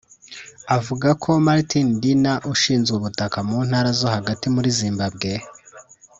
avuga ko Martin Dinha ushinzwe ubutaka mu ntara zo hagati muri Zimbabwe